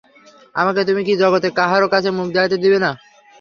আমাকে তুমি কি জগতে কাহারো কাছে মুখ দেখাইতে দিবে না।